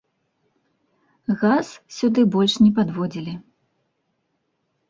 Газ сюды больш не падводзілі.